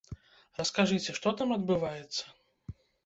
Раскажыце, што там адбываецца?